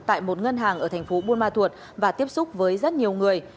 tại một ngân hàng ở thành phố buôn ma thuột và tiếp xúc với rất nhiều người